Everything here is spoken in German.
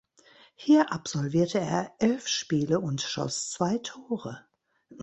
Hier absolvierte er elf Spiele und schoss zwei Tore.